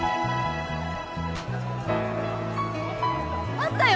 あったよ！